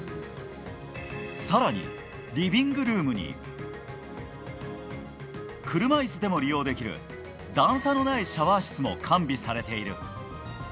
更に、リビングルームに車椅子でも利用できる段差のないシャワー室も完備されている。